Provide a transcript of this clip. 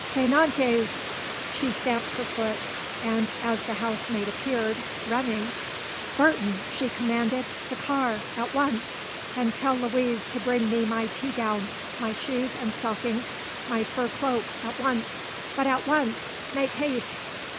Fainéantes!" she stamped her foot, and, as the housemaid appeared, running; "Burton," she commanded. "The car. At once. And tell Louise to bring me my tea gown, my shoes and stockings, my fur cloak, at once; but at once; make haste!"